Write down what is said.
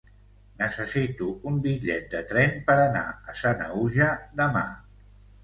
Necessito un bitllet de tren per anar a Sanaüja demà.